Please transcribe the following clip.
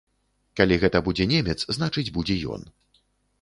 Калі гэта будзе немец, значыць, будзе ён.